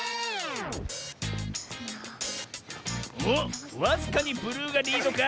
おっわずかにブルーがリードか？